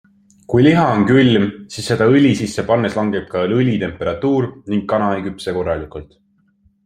Kui liha on külm, siis seda õli sisse pannes langeb ka õli temperatuur ning kana ei küpse korralikult.